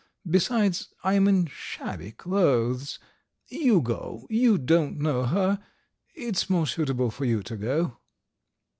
Besides, I am in shabby clothes. ... You go, you don't know her. ... It's more suitable for you to go."